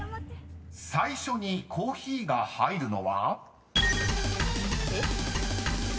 ［最初にコーヒーが入るのは？］